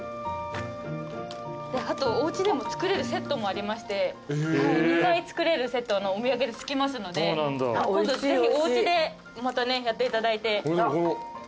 おうちでも作れるセットもありまして２回作れるセットのお土産で付きますので今度ぜひおうちでまたやっていただいて。